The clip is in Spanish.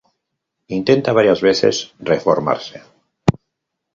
Intenta varias veces reformarse.